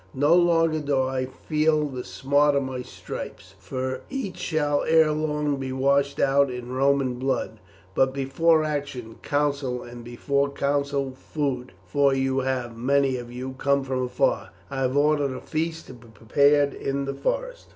No longer do I feel the smart of my stripes, for each shall ere long be washed out in Roman blood; but before action, counsel, and before counsel, food, for you have, many of you, come from afar. I have ordered a feast to be prepared in the forest."